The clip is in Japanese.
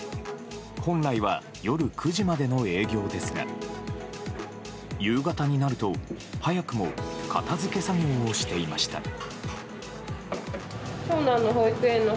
本来は夜９時までの営業ですが夕方になると、早くも片づけ作業をしていました。